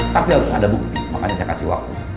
tapi harus ada bukti makanya saya kasih waktu